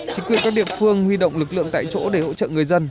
chính quyền các địa phương huy động lực lượng tại chỗ để hỗ trợ người dân